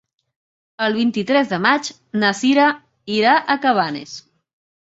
El vint-i-tres de maig na Cira irà a Cabanes.